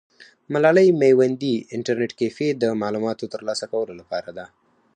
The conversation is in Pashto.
ملالۍ میوندي انټرنیټ کیفې د معلوماتو ترلاسه کولو لپاره ده.